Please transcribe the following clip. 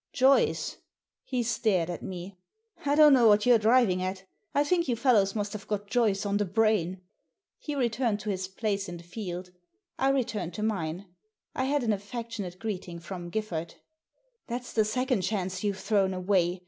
* Joyce." He stared at me. " I don't know what you're driving at I think you fellows must have got Joyce on the brain." He returned to his place in the field. I returned to mine. I had an affectionate greeting from Giffard. "That's the second chance you've thrown away.